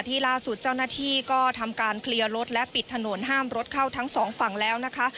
ล่าสุดเจ้าหน้าที่ก็ทำการเคลียร์รถและปิดถนนห้ามรถเข้าทั้งสองฝั่งแล้วนะคะ